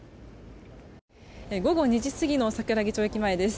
午後２時過ぎの桜木町駅前です。